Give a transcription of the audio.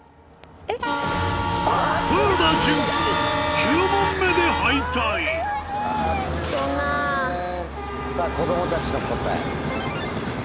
豊田順子９問目で敗退さぁ子供たちの答え。